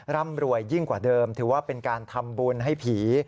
ร่ำรวยยิ่งกว่าเดิมถือว่าเป็นการทำบุญให้ผี